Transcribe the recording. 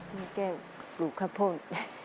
แม่มูแก้วรู้ข้าวโพส